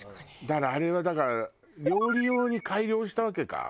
だからあれは料理用に改良したわけか。